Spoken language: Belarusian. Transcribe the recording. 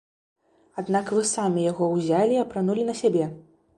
Аднак вы самі яго ўзялі і апранулі на сябе!